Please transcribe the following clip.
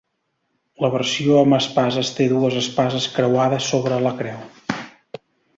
La versió amb Espases té dues espases creuades sobre la creu.